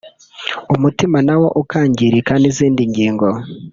umutima na wo ukangirika n’izindi ngingo